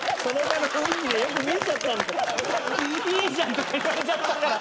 「いいじゃん」とか言われちゃったから。